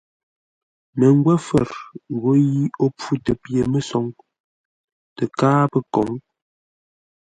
Məngwə́fə̂r, gho yi ó mpfutə pye-mə́soŋ tə́ káa pə́ kǒŋ.